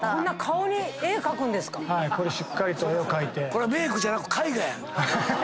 これはメイクじゃなく絵画や。